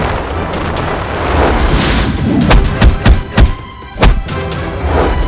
aku tidak akan membiarkan seseorang untuk menyakiti guzi prabu si liwang